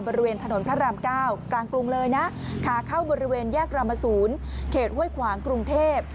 บริเวณถนนพระราม๙กลางกรุงเลยนะขาเข้าบริเวณแยกรามศูนย์เขตห้วยขวางกรุงเทพ